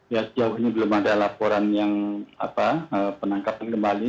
ya jauhnya belum ada laporan yang penangkapkan kembali